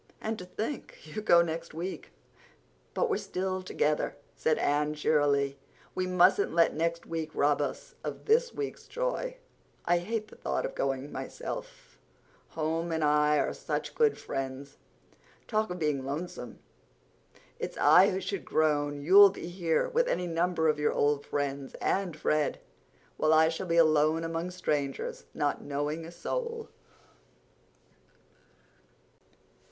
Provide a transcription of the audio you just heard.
"And to think you go next week!" "But we're together still," said Anne cheerily. "We mustn't let next week rob us of this week's joy. I hate the thought of going myself—home and I are such good friends. Talk of being lonesome! It's I who should groan. You'll be here with any number of your old friends—and Fred! While I shall be alone among strangers, not knowing a soul!"